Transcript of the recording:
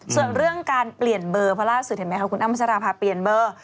ส่วนเรื่องการเปลี่ยนเบอร์เพราะล่าสุดเห็นไหมคะคุณอ้ำพัชราภาเปลี่ยนเบอร์